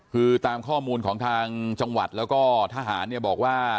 คือตามข้อมูลของทางจังหวัดแล้วก็ทหารเนี่ยบอกว่า